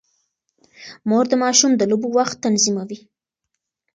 مور د ماشوم د لوبو وخت تنظيموي.